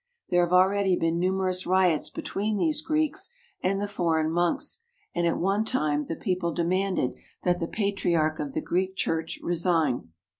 There have already been numerous riots be tween these Greeks and the foreign monks, and at one time the people demanded that the Patriarch of the Greek Church resign.